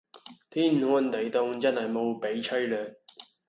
天寒地涷真係無比淒涼